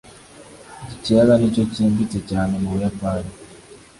Iki kiyaga nicyo cyimbitse cyane mu Buyapani.